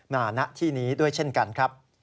ณที่นี้ด้วยเช่นกันครับ